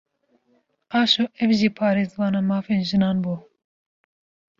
Qaşo ew jî parêzvana mafên jinan bû